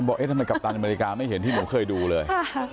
บอกเอ๊ะทำไมกัปตันอเมริกาไม่เห็นที่ผมเคยดูเลย